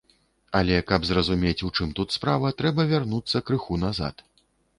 Але, каб зразумець, у чым тут справа, трэба вярнуцца крыху назад.